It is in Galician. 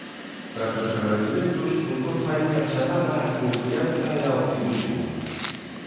Tras os agradecementos, Pontón fai unha chamada á confianza e ao optimismo.